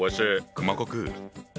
熊悟空。